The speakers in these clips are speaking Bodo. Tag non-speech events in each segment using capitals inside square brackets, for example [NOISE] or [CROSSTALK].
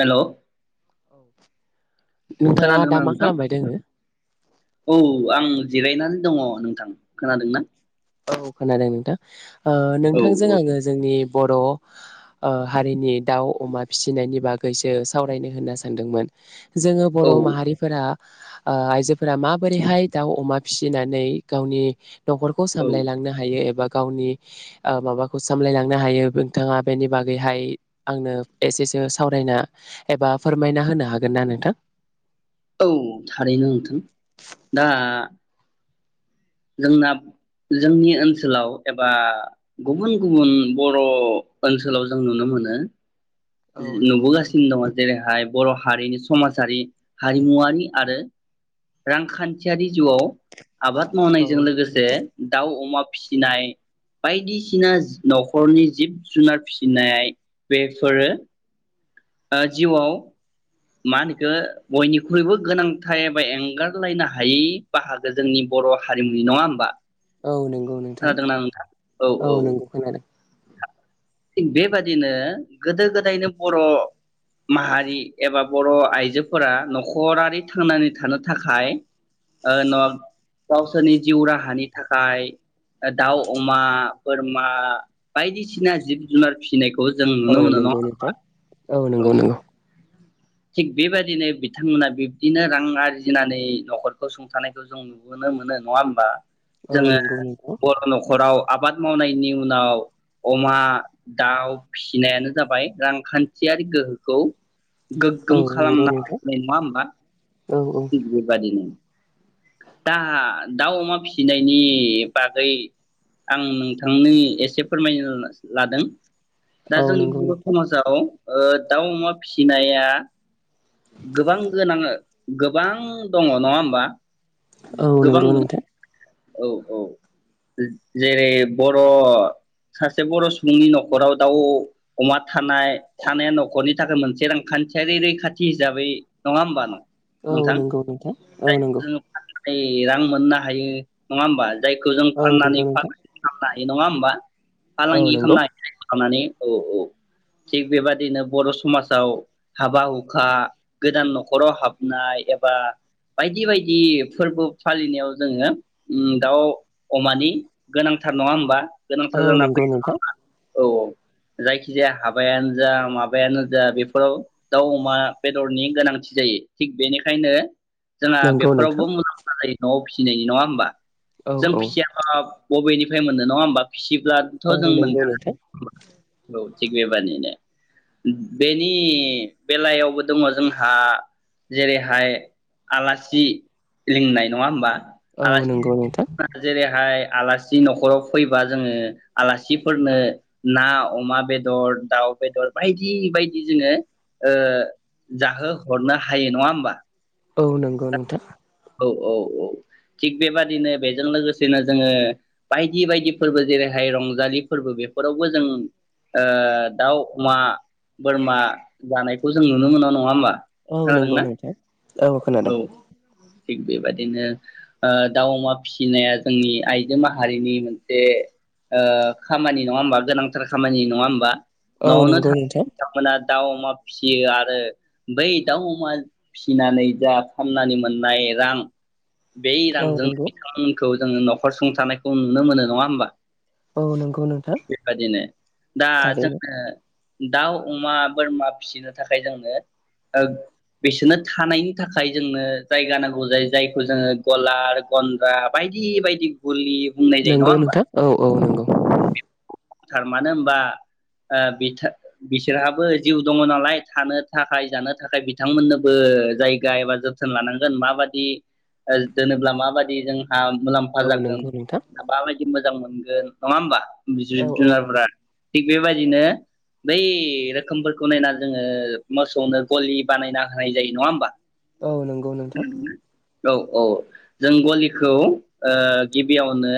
हेल' औ खोनादोंना नोंथां औ आं जिरायनानै दङ नोंथां खोनादों ना औ खोनादों नोंथां ओ औ नोंथांजों आङो जोंनि बर' ओ हारिनि दाउ अमा फिसिनायनि बागैसो सावरायनो होनना सानदोंमोन जोङो बर' औ माहारिफोरा ओ आइजोफोरा माबोरैहाय दाउ अमा फिसिनानै गावनि नख'र खौ औ सामलायलांनो हायो एबा गावनि माबाखौ सामलायलांनो हायो नोंथाङा बेनि बागैहाय आंनो एसेसो सावरायना एबा फोरमायना होनो हागोन ना नोंथां औ थारैनो नोंथां दा जोंना जोंनि ओनसोलाव एबा गुबुन गुबुन बर' ओनसोलाव जों नुनो मोनो औ नंगौ नोंथां नुबोगासिनो दङ जेरैहाय बर' हारिनि समाजारि हारिमुवारि आरो रांखान्थियारि जिउआव आबाद औ मावनायजों लोगोसे दाउ अमा फिसिनाय बायदिसिना न'खरनि जिब जुनार फिसिनाय बेफोरो जिउआव मा होनो बिखो बयनिख्रुइबो गोनांथार एबा एंगारलायनो हायै बाहागो जोंनि बर' हारिमुनि नङा होमबा औ नंगौ नोंथा औ नंगौ खोनादों थिग बेबादिनो गोदो गोदायनो बर' माहारि एबा बर' आइजोफोरा न'खरारि थांनानै थानो थाखाय ओ गावसोरनि जिउ राहानि थाखाय दाउ अमा बोरमा बायदिसिना जिब जुनार फिसिनायखौ जों औ नुनो मोनो नङा नंगौ नोंथां औ नंगौ नंगौ थिग बेबायदिनो बिथांमोना बिब्दिनो रां आरजिनानै न'खरखौ सुंथानायखौ जों नुबोनो मोनो नङा होमबा औ जोङो नंगौ नोंथां बर' न'खराव आबाद मावनायनि उनाव अमा दाउ फिसिनायानो जाबाय रांखान्थियारि गोहोखौ औ गोग्गोम नंगौ खालामनाय नोंथां नङा होमबा औ औ थिग बेबायदिनो दा दाउ अमा फिसिनायनि बागै आं नोंथांनि एसे फोरमायनो लादों दा औ जोंनि नंगौ बर नोंथां समाजाव ओ दाउ अमा फिसिनाया या गोबां गोनाङो गोबां दङ नङा होमबा औ गोबां नंगौ नुनो नोंथां औ औ जेरै बर' सासे बर' सुबुंनि न'खराव दाउ अमा थानाय थानाया न'खरनि थाखाय मोनसे रांखान्थियारि रैखाथि हिसाबै नङा होमबा न औ नंगौ नोंथां ओ नंगौ नै रां मोननो हायो नङा होमबा जायखौ जों औ फाननानै नंगौ [UNINTELLIGIBLE] नोंथां खालामनाय नङा होमबा औ फालांगि नंगौ [UNINTELLIGIBLE] औ - औ थिग बेबादिनो बर समाजाव हाबा हुखा गोदान नखराव हाबनाय एबा बायदि बायदि फोरबो फालिनायाव जोङो उम दाउ अमानि गोनांथार नङा होमबा गोनांथार औ जाना नंगौ नोंथां फैयो औ - औ जायखिजाया हाबायानो जा माबायानो जा बेफोराव दाउ अमा बेदरनि गोनांथि जायो थिग बेनिखायनो जोंहा नंगौ बेफोरावबो नोंथां मुलाम्फा जायो नवाव फिसिनायनि नङा होमबा औ जों औ फिसियाबा बबेनिफ्राय मोननो नङा होमबा फिसि ब्लाथ औ जों नंगौ नोंथां मोनजागोन औ थिग बेबादिनो बेनि बेलायावबो दङ जोंहा जेरैहाय आलासि लिंनाय नङा होमबा औ नों नंगौ नोंथां बेहाय आलासि नखराव फैबा जोङो आलासिफोरनो ना अमा बेदर दाउ बेदर बायदि बायदि जोङो ओ जाहोहरनो हायो नङा होमबा औ नंगौ नोंथां औ - औ - औ थिग बेबादिनो बेजों लोगोसेनो जोङो बायदि बायदि फोरबो जेरैहाय रंजालि फोरबो बेफोरावबो जों ओ दाउ अमा बोरमा जानायखौ जों नुनो मोनो नङा होमबा औ नंगौ खोनादोंना नोंथां औ खोनादों थिग बेबायदिनो ओ दाउ अमा फिसिनाया जोंनि आइजो माहारिनि मोनसे ओ खामानि नङा होमबा गोनांथार खामानि नङा होमबा औ न'आवनो नंगौ थानाय नोंथां बिथांमोना दाउ अमा फिसियो आरो बै दाउ अमा फिसिनानै जा फामनानै मोननाय रां बै औ रांजों नंगौ बिथांमोनखौ जोङो नखर सुंथानायखौ नुनो मोनो नङा होमबा औ नंगौ नोंथां बेबादिनो दा थारैनो जोङो दाउ अमा बोरमा फिसिनो थाखाय जोंनो बिसोरनो थानायनि नि थाखाय जोंनो जायगा नांगौ जायो जायखौ जोङो गलार गन्द्रा बायदि बायदि गुलि नंगौ नोंथां औ - औ नंगौ। थार मानो होनबा बिथा बिसोरहाबो जिउ दङ नालाय थानो थाखाय जानो थाखाय बिथांमोननोबो जाय गायबा जोथोन लानांगोन माबादि दोनोब्ला माबादि जों फा मुलाम्फा औ जागोन नंगौ नोंथां बिथांमोन माबायदि मोजां मोनगोन नङा होमबा बिज औ औ नंगौ जुनारफोरा थिग बेबायदिनो बै रोखोमफोरखौ नायना जोङो मोसौनो गलि बानायना होनाय जायो नङा होमबा? औ नंगौ नोंथां । औ औ जों गलिखौ ओ गिबियावनो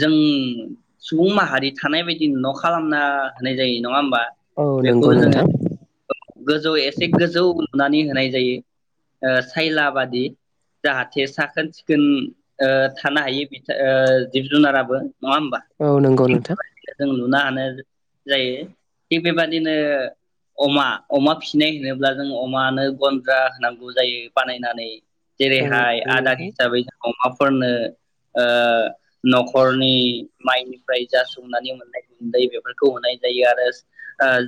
जों सुबुं माहारि थानाय बायदि न' खालामना होनाय जायो न नङा होमबा औ बेखौ नंगौ जोङो नोंथां गोजौ एसे गोजौ हनानै होनाय जायो ओ सायला बादि जाहाथे साखोन सिखोन ओ थानो हायो बिथ जिब जुनाराबो नङा होमबा औ नंगौ थिग नोंथां बेबादिनो नो हानो जायो थिग बेबाददिनो अमा अमा फिनाय होनोब्ला जों अमानो गन्द्रा होनांगौ जायो बानायनानै औ जेरैहाय नंगौ आदार नोंथां हिसाबै जों अमा फोरनो ओ न'खरनि माइनि - - ओमफ्राय जा सौनानै मोननाय गुन्दै बेफोरखौ होनाय जायो आरो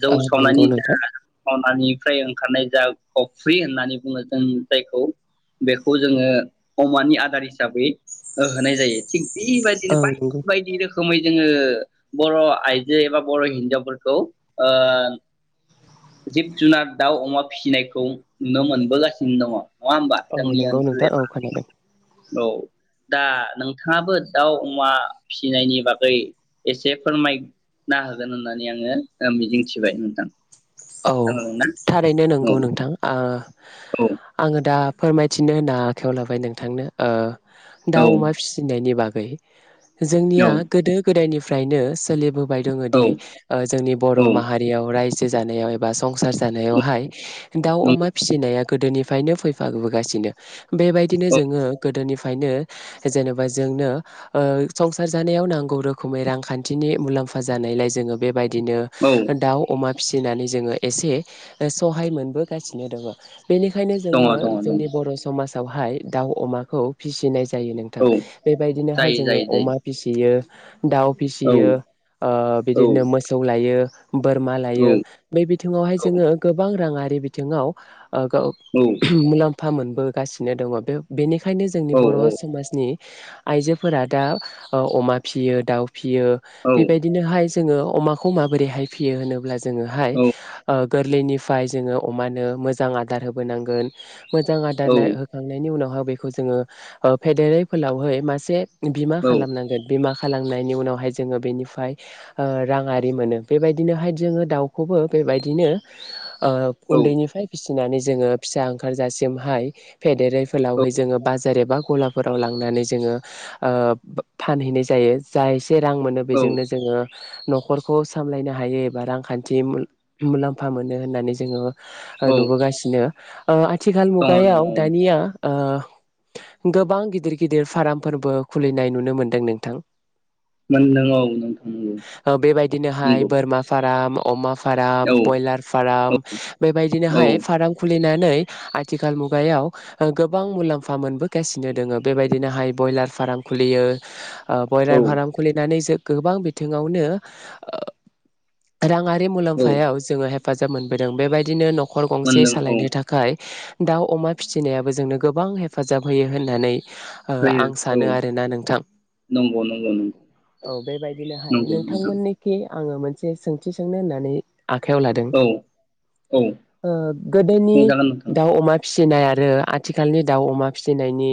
जौ औ नंगौ सावनायनि नोंथां जा हानिफ्राय ओंखारनाय जा अफ्रि होननानै बुङो जों जायखौ बेखौ जोङो अमानि आदार हिसाबै होनाय जायो थिग बेबायायदिनो औ बाय नंगौ बायदि रोखोम रोखोमै जोङो बर' आइजो एबा बर' हिन्जावफोरखौ ओ जिब जुनार दाउ अमा फिसिनायखौ नुनो मोनबोगासिनो दङ नङा होमबा औ जोंनि नंगौ ओनसोल नोंथां औ खोनादों औ दा नोंथाङाबो दाउ अमा फिसिनायनि बागै एसे फोरमायना होगोन होननानै आङो मिजिंथिबाय नोंथां । औ थारैनो नंगौ औ नोंथां आ औ आङो दा फोरमायथिनो होनना आखायाव लाबाय नोंथांनो दाउ औ अमा फिसिनायनि बागै बाय औ जोंनिया गोदो गोदायनिफ्राय फ्रायनो सोलिबो दङ औ दि जोंनि औ बर' माहारियाव जानायाव एबा संसार जानायावहाय दाउ नंगौ अमा फिसिनाया गोदोनिफ्रायनो फैफाबबोगासिनो बेबायदिनो औ जोङो गोदोनि नो जेनेबा जोंनो ओ संसार जानायाव नांगौ रोखोमै रांखान्थिनि मुलाम्फा जानायलाय जोङो बेबाय बिदिनो औ दाउ अमा फिसिनानै जोङो एसे सहाय मोनबो गासिनो दङ। बेनिखायनो दङ जोङो दङ दङ जोंनि बर' समाज हाय दाउ अमाखौ फिसिनाय जायो नोंथां औ बेबायदिनो हाय जायो जोङो जायो जायो अमा फिसियो दाउ औ फिसियो ओ औ बिदिनो मोसौ लायो बोरमा औ लायो। बे बिथिङावहाय औ जोङो गोबां रां आरो बे बिथिङाव ओ गाव औ [UNINTELLIGIBLE] मुलाम फा मोनबो गासिनो दङ बे बेनि खायनो औ जोंनि बर' समाजनि आइजोफोरा दा अमा फियो दाउ फियो औ बेबायदिनो हाय जोङो अमाखौ माबोरैहाय फियो होनोब्ला जों जोङोहाय औ ओ गोरलैनिफ्राय जोङो अमानो मोजां आदार होबोनांगोन मोजां आदार औ नाय होखांनायनि उनावहाय बेखौ जोङो ओ फेदेरै फोलावहै मासे बिमा औ औ खालामनांगोन। बिमा खालामनायनि उनावहाय जोङो बेनिफ्राय राङारि मोनो बेबायदिनो हाय जोङो दाउखौबो बेबायदिनो ओ औ उन्दैनिफ्राय फिसिनानै जोङो फिसा ओंखारजासिम हाय फेदेरै फलावहै जोङो बाजार एबा गलाफोराव लांनानै जोङो ओ फानहैनाय जायो जाय ऐसे रां मोनो बेजोंनो जोङो न'खरखौ सामलायनो हायो एबा रांखान थि मुल मुलाम्फा मोनो होननानै जोङो नुबो गासिनो। आ आथिखाल दङ दङ मुगायाव औ दानिया ओ गोबां गिदिर गिदिर फारामफोरबो खुलिनाय नुनो मोनदों नोंथां। मोनदों औ नोंथां ओ बेबायदिनोहाय बोरमा फाराम अमाफ फाराम बयलार फाराम नंगौ बेबायदिनोहाय नंगौ फाराम खुलिना नै आथिखाल मुगायाव ओ गोबां मुलाम्फा मोनबोगासिनो दोङो बेबायदिनोहाय बयलार फाराम खुलियो। ओ औ बयलार फाराम खुलिनानै जो गोबां बिथिङावनो ओ ओ रांङार रि औ मुलाम्फायाव जोंहेब हेफाजाब मोनबोदों बेबायदिनो न'ख खर गंसे मोनदों औ सालायनो थाखाय दाउ अमा फिसिनायाबो जोंनो गोबां हेफाजाब होयो होननानै ओ होयो आं औ सानो आरोना नोंथां नंगौ नंगौ नंगौ औ बेबायदिनोहाय नंगौ नोंथां नोंथांमोननिखि आङो मोनसे सों सो सोंनो होननानै आखाइयाव लादों औ औ ओ गोदोनि बुंजागोन नोंथां दाउ अमा फिस फिसिनाय आरो आथिखालनि दाउ अमा फिसिनायनि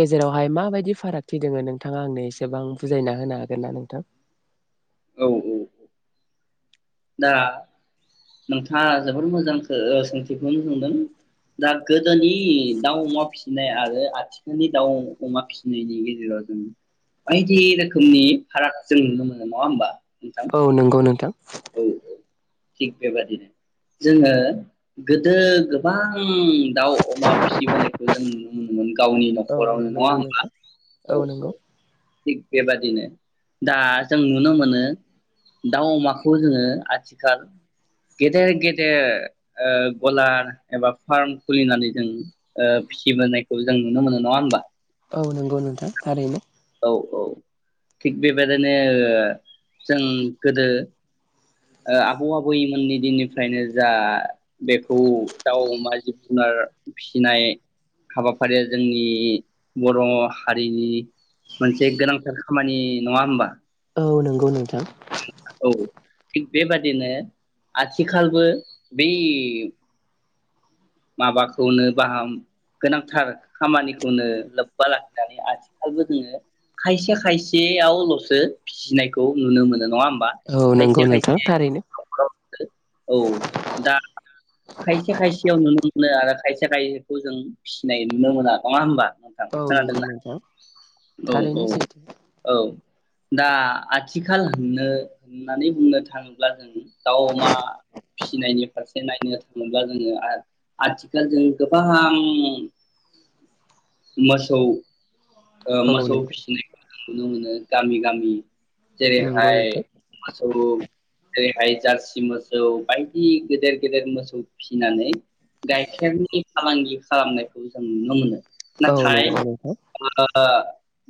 गेजेरावहाय माबायदि फारागथि दोङो नोंथाङा आंनो एसेबां बुजायना होनो हागोन ना नोंथां? औ उ दा नोंथाङा जोबोर मोजांखो ओ सोंथिखौनो सोंदों दा गोदोनि दाउ अमा फिसिनाय आरो आथिखालनि दाउ अमा फिसिनायनि गेजेराव जों बायदि रोखोमनि फाराग जों नुनो मोनो नङा होमबा? नोंथां औ नोंगौ नोंथां। औ औ थिग बेबादिनो जोङो गोदो गोबां दाउ अमा फिसिबोनायखौ जों नुनो मोनोमोन। गावनि औ नख'रावनो नङा नंगौ होमबा? नोंथां औ औ थिग बेबादिनो दा जों नुनो मोनो दाउ अमाख खौ जोङो आथिखाल गेदेर गेदेर ओ गलार एबा फार्म खुलिनानै जों ओ फिसिबोनायखौ जों नुनो मोनो नङा होमबा? औ नंगौ नोंथां थारैनो। औ औ थिग बेबायदिनो ओ जों गोदो ओ आबौ आबैमोननि दिननिफ्रायनो जा बेखौ दाउ अमा जिब जुनार फिसिनाय हाबाफारिया जोंनि बर' हारिनि मोनसे गोनांथार खामानि नङा होमबा? औ नोंगौ नोंथां। औ थिग बेबादिनो आथिखालबो बे माबाखौनो बाहाम गोनांथार खामानिखौनो लोब्बा लाखिनानै आथिखालबो जोङो खायसे खायसेयावल'सो फिसिनायखौ नुनो मोनो नङा होम बा औ नंगौ खायसे नोंथां खायसे थारैनो नख'राव जों औ दा खायसे खायसेयाव नुनो नो आरो खायसे खायसेखौ जों फिसिनाय नुनो मोना नङा होमबा? थां औ नंगौ खोनादोंना? नोंथां औ औ थारैनो सैथो औ दा आथिखालनो होननानै बुंनो थाङोब्ला जों दाउ अमा फिसिनायनि फारसे नायनो थाङोब्ला जोङो आर आथिखाल जों गोबां मोसौ ओ औ मोसौ‌ नंगौ फिसिनायखो नुनो मोनो गामि गामि जेरै नंगौ हाय नोंथां मोसौ जे जारसि मोसौ बायदि गेदेर गेदेर मोसौ फिसिनानै गाइखेरनि फालांगि खालामनायखौ जों नुनो मोनो औ नाथाय नंगौ नोंथां ओ ओ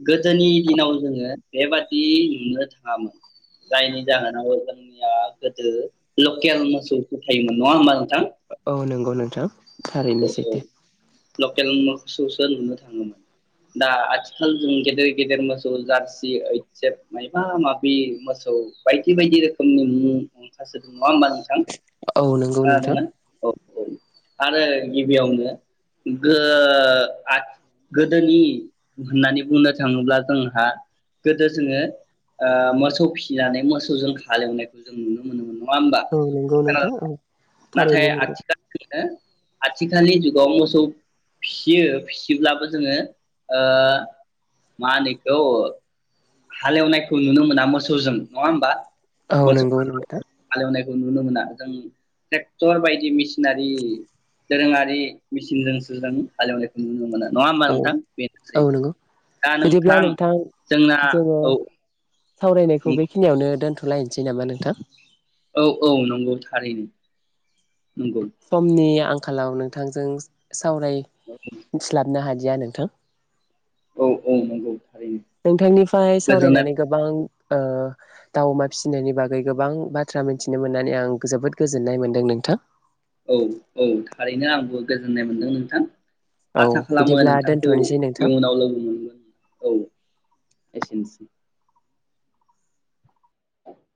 गोदोनि दिनाव जोङो बेबादि नुनो थाङामोन जायनि जाहोनाव जोंनिया गोदो लकेल मोसौफोर थायोमोन नङा होमबा नोंथां औ नोंगौ नोंथां थारैनो औ औ सैथो लकेल मोसौसो नुनो थाङोमोन दा आथिखाल जों गेदेर गेदेर मोसौ जारसि ओइटसेभ मायबा माबि मोसौ बायदि बायदि रोखोमनि मुं ओंखारसोदों नङा होमबा नोंथां औ नोंगौ नोंथां खोनादोंना औ औ आरो गिबियावनो गो आथ गोदोनि होननानै बुंनो थाङोब्ला जोंहा गोदो जोङो ओ मोसौ फिसिनानै मोसौजों हालेवनायखौ जों नुनो मोनोमोन नङा होमबा औ नंगौ खोनादों औ नोंथां नाथाय थारैनो नंगौ आथिखालनि हो आथिखालनि जुगाव मोसौ फिसियो फिसिब्लाबो जोङो ओ मा होनो इखौ ओ हालेवनायखौ नुनो मोना मोसौजों नङा होमबा औ मोसौ नंगौ नोंथां हालेवनायखौ नुनो मोना जों टेक्टर बायदि मेसिनारि दोरोङारि मिसिनजोंसो जों हालेवनायखौ नुनो मोनो नङा होमबा औ नोंथां औ बेनोसै नंगौ दा नोंथां जोंना ङो औ सावरायनायखौ बेखिनियावनो दोनथ' थलायनोसै नामा नोंथां औ औ नंगौ थारैनो नंगौ समनि आं आंखालाव नोंथांजों सावराय मिथिलाबनो हाय दिया नोंथां औ औ नंगौ थारैनो नोंथांनिफ्राय गोजोननाय सावरायनानै गोबां ओ दाउ अमा फिसिनायनि बागै गोबां बाथ्रा मिथिनो मोननानै आं जोबोद गोजोननाय मोनदों नोंथां औ औ थारैनो आंबो गोजोननाय मोन्दों नोंथां औ आसा खालामो बिदिब्ला नोंथांखौ दोनथ'नोसै नोंथां इयुनाव लोगो मोनगोन औ एजन्सि [INAUDIBLE]